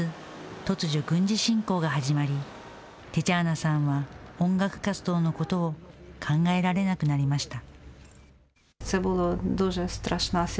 突如、軍事侵攻が始まり、テチャーナさんは音楽活動のことを考えられなくなりました。